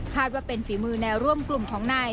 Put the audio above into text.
ว่าเป็นฝีมือแนวร่วมกลุ่มของนาย